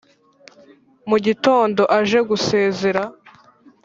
mu gitondo aje gusezera